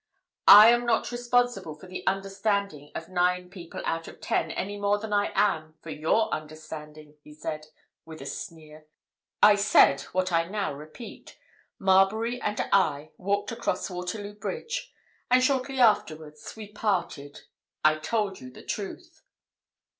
"I am not responsible for the understanding of nine people out of ten any more than I am for your understanding," he said, with a sneer. "I said what I now repeat—Marbury and I walked across Waterloo Bridge, and shortly afterwards we parted. I told you the truth."